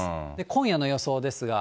今夜の予想ですが。